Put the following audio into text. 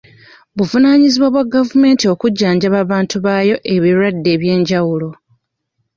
Buvunaanyizibwa bwa gavumenti okujjanjaba abantu baayo ebirwadde eby'enjawulo.